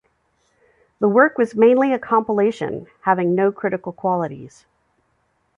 The work was mainly a compilation, having no critical qualities.